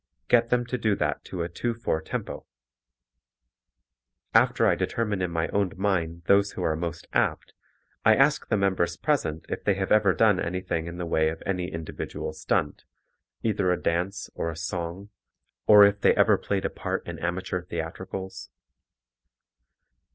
Get them to do that to a 2 4 tempo. After I determine in my own mind those who are most apt, I ask the members present if they have ever done anything in the way of any individual stunt, either a dance or a song, or if they ever played a part in amateur theatricals.